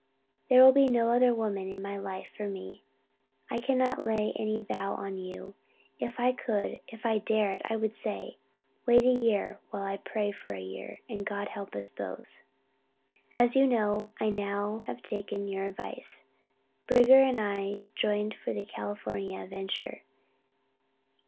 There will be no other woman, in all my life, for me. I cannot lay any vow on you. If I could, if I dared, I would say: "Wait for a year, while I pray for a year and God help us both." As you know, I now have taken your advice. Bridger and I are joined for the California adventure.